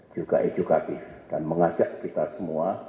juga edukatif dan mengajak kita semua